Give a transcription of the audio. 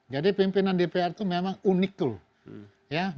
jadi pimpinan dpr itu memang unik tuh